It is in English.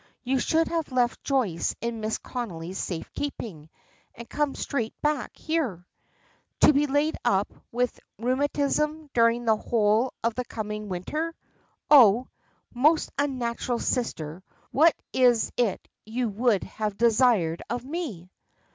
You should have left Joyce in Mrs. Connolly's safe keeping, and come straight back here." "To be laid up with rheumatism during the whole of the coming winter! Oh! most unnatural sister, what is it you would have desired of me?"